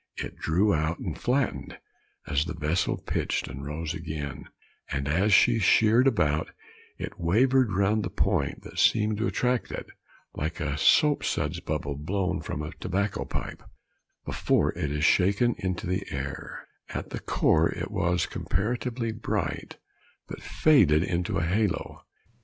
It drew out and flattened as the vessel pitched and rose again, and as she sheered about, it wavered round the point that seemed to attract it, like a soap suds bubble blown from a tobacco pipe, before it is shaken into the air; at the core it was comparatively bright, but faded into a halo.